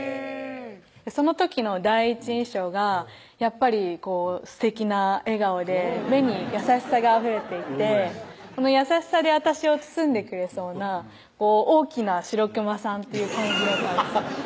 その時の第一印象がやっぱりすてきな笑顔で目に優しさがあふれていてこの優しさで私を包んでくれそうな大きなシロクマさんという感じだったんですよ